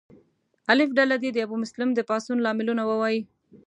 الف ډله دې د ابومسلم د پاڅون لاملونه ووایي.